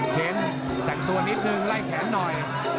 เค้นแต่งตัวนิดนึงไล่แขนหน่อย